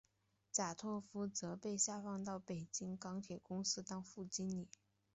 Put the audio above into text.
贾拓夫则被下放到北京钢铁公司当副经理。